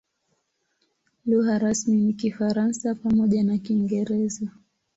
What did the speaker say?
Lugha rasmi ni Kifaransa pamoja na Kiingereza.